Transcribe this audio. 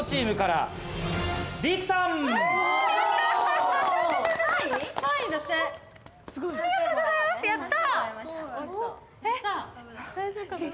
ありがとうございますやった！